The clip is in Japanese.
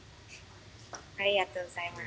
ありがとうございます。